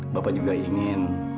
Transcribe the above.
bapak juga ingin